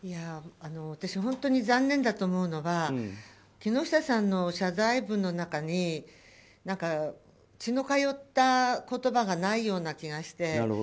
私、本当に残念だと思うのは木下さんの謝罪文の中に血の通った言葉がないような気がして。